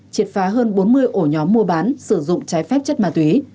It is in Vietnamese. triệt phá hơn bốn mươi ổ nhóm mua bán sử dụng trái phép chất ma túy